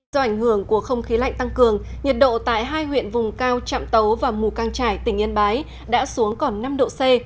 do ảnh hưởng của không khí lạnh tăng cường nhiệt độ tại hai huyện vùng cao trạm tấu và mù căng trải tỉnh yên bái đã xuống còn năm độ c